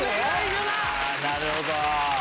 なるほど！